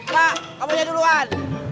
pak kamu yang duluan